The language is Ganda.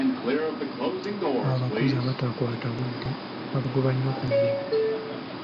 Abakozi abatakwata budde babagoba nnyo ku mirimu.